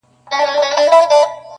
موږ به یې هېر کړو خو نه هیریږي -